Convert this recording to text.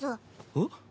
えっ？